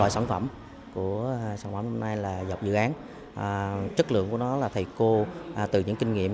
sản phẩm của sản phẩm hôm nay là dọc dự án chất lượng của nó là thầy cô từ những kinh nghiệm